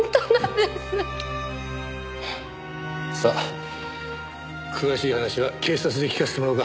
さあ詳しい話は警察で聞かせてもらおうか。